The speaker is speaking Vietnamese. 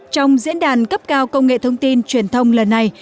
trong diễn đàn cấp cao công nghệ thông tin truyền thông lần này